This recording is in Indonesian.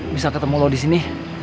bisa ketemu lo disini